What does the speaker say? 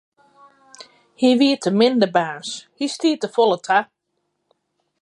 Hy wie te min de baas, hy stie te folle ta.